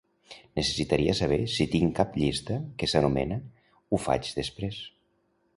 Necessitaria saber si tinc cap llista que s'anomena "ho faig després".